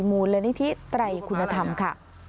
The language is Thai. มูลละนิทิตรัยคุณธรรมค่ะ